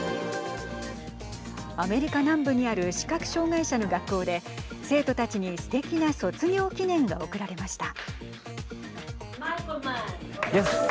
アメリカ南部にある視覚障害者の学校で生徒たちに、すてきな卒業記念が贈られました。